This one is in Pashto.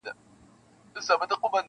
سي -